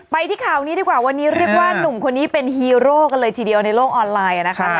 ที่ข่าวนี้ดีกว่าวันนี้เรียกว่าหนุ่มคนนี้เป็นฮีโร่กันเลยทีเดียวในโลกออนไลน์นะคะ